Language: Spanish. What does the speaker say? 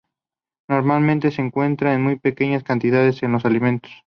Normalmente se encuentran en muy pequeñas cantidades en los alimentos.